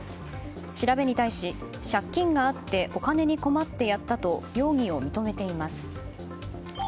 調べに対し、借金があってお金に困ってやったと容疑を認めています。